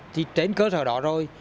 thì trên cơ sở đó rồi